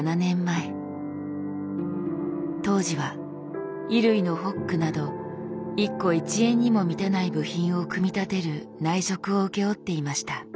当時は衣類のホックなど１個１円にも満たない部品を組み立てる内職を請け負っていました。